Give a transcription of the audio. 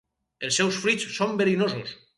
Els seus fruits són verinosos.